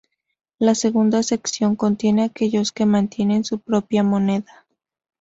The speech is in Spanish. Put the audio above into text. La segunda sección contiene aquellos que mantienen su propia moneda.